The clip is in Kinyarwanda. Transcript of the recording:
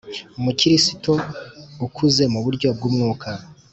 Mukristo ukuze mu buryo bw umwuka